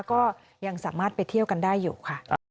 ก็ยังสามารถไปเที่ยวกันได้อยู่ค่ะ